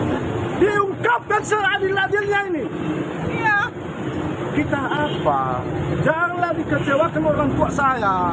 kita apa janganlah dikecewa dengan orang tua saya